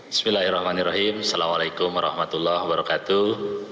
bismillahirrahmanirrahim assalamu'alaikum warahmatullahi wabarakatuh